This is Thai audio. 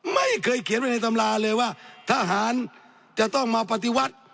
ไม่เคยเขียนไว้ในตำราเลยว่าทหารจะต้องมาปฏิวัติ